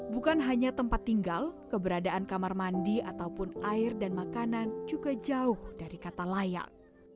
bukan hanya tempat tinggal keberadaan kamar mandi ataupun air dan makanan juga jauh dari kata layak